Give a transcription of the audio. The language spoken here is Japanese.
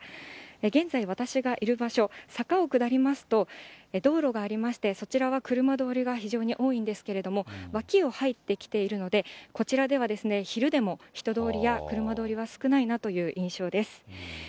現在、私がいる場所、坂を下りますと道路がありまして、そちらは車通りが非常に多いんですけれども、脇を入ってきているので、こちらではですね、昼でも人通りや車通りは少ないなという印象です。